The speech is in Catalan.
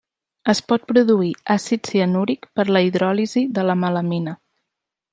Es pot produir àcid cianúric per la hidròlisi de la melamina.